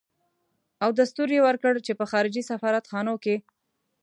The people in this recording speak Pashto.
او دستور يې ورکړ چې په خارجي سفارت خانو کې.